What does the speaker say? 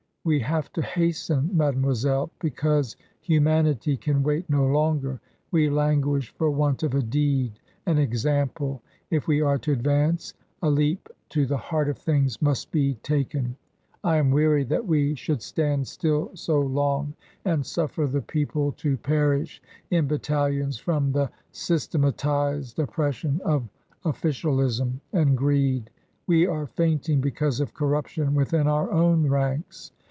We have to hasten, mademoiselle, because humanity can wait no longer. We languish for want of a deed — an example. If we are to advance, a leap to the heart of things must be taken ! I am weary that we should stand still so long and suffer the people to perish in battalions from the systematized oppression of officialism and greed. We are fainting because of corruption within our own ranks.